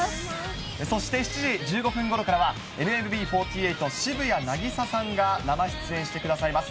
そして７時１５分ごろからは、ＮＭＢ４８・渋谷凪咲さんが生出演してくださいます。